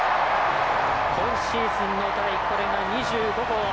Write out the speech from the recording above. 今シーズンの第これが２５号。